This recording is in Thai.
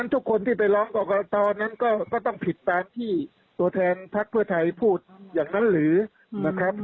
ทุกคนที่ไปร้องกรกตนั้นก็ต้องผิดตามที่ตัวแทนพักเพื่อไทยพูดอย่างนั้นหรือนะครับ